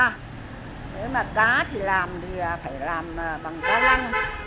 thế mà cá thì làm thì phải làm bằng cá lăng